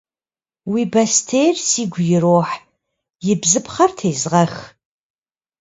Уи бостейр сигу ирохь, и бзыпхъэр тезгъэх.